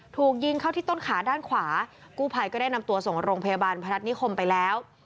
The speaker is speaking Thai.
ถูกยิงเข้าที่ต้นขาด้านขวากู้ภัยก็ได้นำตัวส่งโรงพยาบาลพนัฐนิคมไปแล้ว